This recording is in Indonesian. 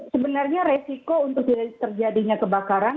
sebenarnya resiko untuk terjadinya kebakaran